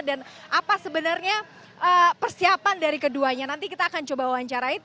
dan apa sebenarnya persiapan dari keduanya nanti kita akan coba wawancarai